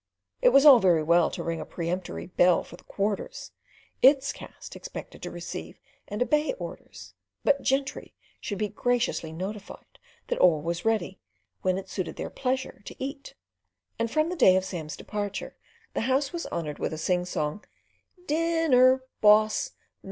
It was all very well to ring a peremptory bell for the Quarters—its caste expected to receive and obey orders; but gentry should be graciously notified that all was ready, when it suited their pleasure to eat; and from the day of Sam's departure, the House was honoured with a sing song: "Din ner! Boss!